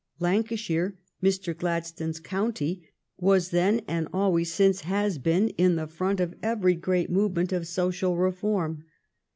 Lancashire, Mr. Gladstone's county, was then and always since has been in the front of every great movement of social reform.